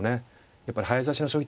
やっぱり早指しの将棋ってね